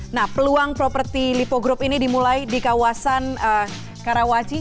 nah peluang properti lipo group ini dimulai di kawasan karawaci